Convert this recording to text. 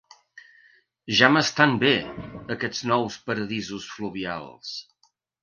Ja m'estan bé, aquests nous paradisos fluvials.